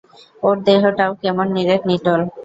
ওর দেহটাও কেমন নিরেট নিটোল।